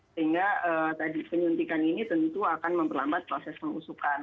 sehingga tadi penyuntikan ini tentu akan memperlambat proses pengusukan